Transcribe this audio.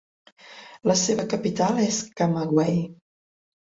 La seva capital és Camagüey.